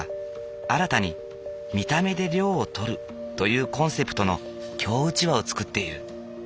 新たに見た目で涼をとるというコンセプトの京うちわを作っている。